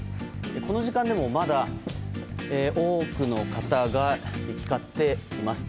この時間でもまだ多くの方が行き交っています。